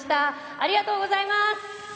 ありがとうございます！